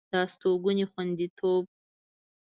د استوګنې خوندیتوب